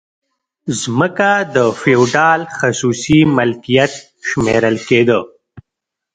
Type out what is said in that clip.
ځمکه د فیوډال خصوصي ملکیت شمیرل کیده.